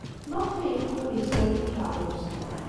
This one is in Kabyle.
Maɣef ay yeqqel ur yesɛi takeṛṛust?